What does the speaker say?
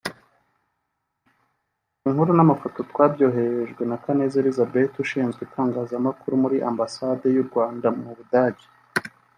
Inkuru n’amafoto twabyohererejwe na Kaneza Elisabeth Ushinzwe Itangazamakuru muri Ambasade y’u Rwanda mu Budage